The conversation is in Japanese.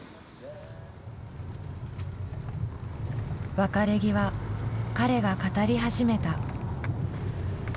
別れ際彼が語り始めた。